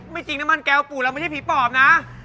จริงน้ำมันแก้วปู่เราไม่ใช่ผีปอบนะ